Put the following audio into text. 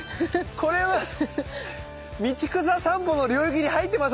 これは道草さんぽの領域に入ってます？